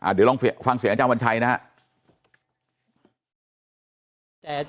เดี๋ยวลองฟังเสียงอาจารย์วันชัยนะครับ